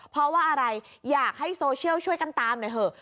เพราะว่าอะไรอยากให้โซเชียลช่วยกันตามหน่อยเถอะ